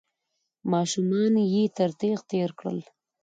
ماشومان يې تر تېغ تېر کړل.